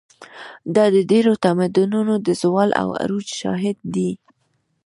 دا د ډېرو تمدنونو د زوال او عروج شاهد دی.